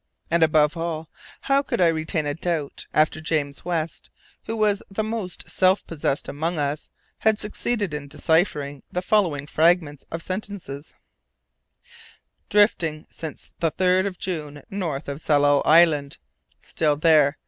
And above all, how could I retain a doubt, after James West, who was the most self possessed among us, had succeeded in deciphering the following fragments of sentences: "Drifting since the 3rd of June north of Tsalal Island. ... Still there